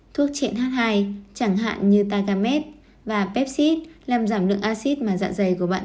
thuốc triện h hai chẳng hạn như tagamet và pepsid làm giảm lượng acid mà dạ dày của bạn tạo ra